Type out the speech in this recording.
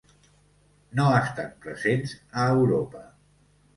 No estan presents a Europa.